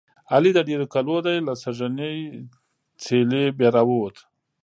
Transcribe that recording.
علي د ډېرو کلو دی. له سږنۍ څېلې بیا را ووت.